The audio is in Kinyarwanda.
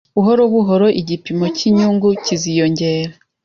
Buhoro buhoro igipimo cyinyungu kiziyongera.